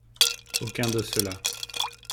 Aucun de ceux-là.